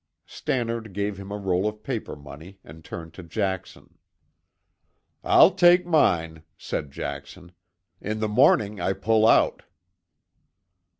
Stannard gave him a roll of paper money and turned to Jackson. "I'll take mine," said Jackson. "In the morning I pull out."